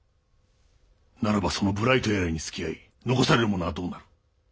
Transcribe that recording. ならばその無頼とやらにつきあい残されるものはどうなる？